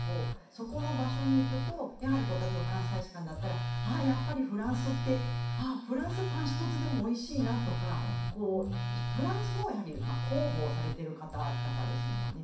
そこの場所に行くと例えば、フランス大使館だったらやっぱりフランスってフランスパン１つでもおいしいなとかフランスの広報をされている方々ですもんね。